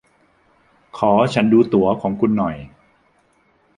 ขอฉันดูตั๋วของคุณหน่อย